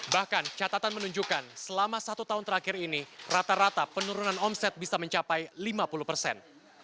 bahkan catatan menunjukkan selama satu tahun terakhir ini rata rata penurunan omset bisa mencapai lima puluh persen